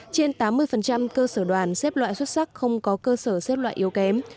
trên tám mươi cơ sở đoàn xếp loại xuất sắc không có cơ sở xếp loại yếu kém